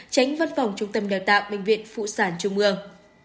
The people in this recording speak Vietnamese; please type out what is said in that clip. tránh văn phòng trung tâm đào tạo bệnh viện phụ sản trung ương